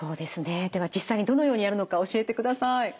では実際にどのようにやるのか教えてください。